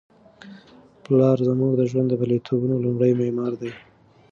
پلار زموږ د ژوند د بریالیتوبونو لومړی معمار دی.